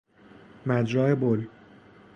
مجرا بول